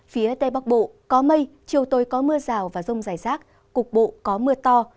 phía tây bắc bộ có mây chiều tối có mưa rào và rông rải rác cục bộ có mưa to